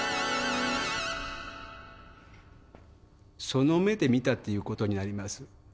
その目で見たということになります。